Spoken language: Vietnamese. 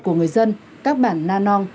của người dân các bản na nong